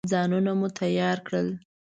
ځانونه مو تیار کړل.